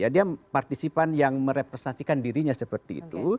dia partisipan yang merepresentasikan dirinya seperti itu